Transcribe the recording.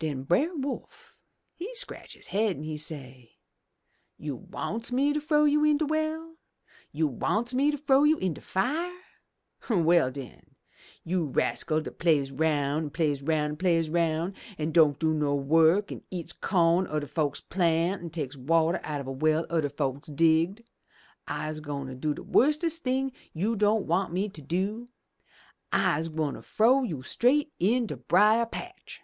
"Den Brer Wolf he scratch his haid an' he say, *You wants me to frow you in de well, you wants me to frow you in de fire; well den, you rascal dat plays roun', an' plays roun', an' plays roun', an' don' do no wuk, an' eats co'n udder folks plants, an' takes wateh out a well udder folks digged, I'se gwine do de wustest thing you don' want me to,— I'SE GWINE FROW YOU STRAIGHT IN DE BRIER PATCH!'